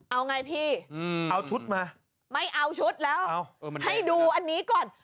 เอาไงพี่เอาชุดมาไม่เอาชุดแล้วให้ดูอันนี้ก่อน